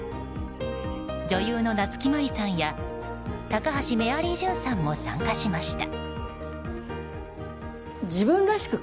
女優の夏木マリさんや高橋メアリージュンさんも参加しました。